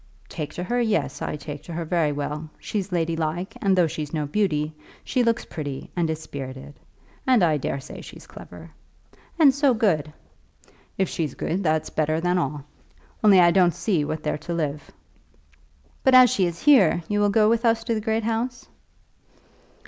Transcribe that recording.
"Take to her; yes, I take to her very well. She's ladylike, and though she's no beauty, she looks pretty, and is spirited. And I daresay she's clever." "And so good." "If she's good, that's better than all. Only I don't see what they're to live on." "But as she is here, you will go with us to the great house?"